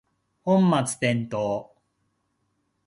本末転倒